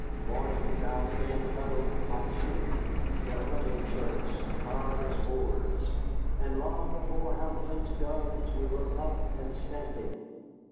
Morning found the men huddled like sheep, their hunting shirts hard as boards, and long before Hamilton's gun we were up and stamping.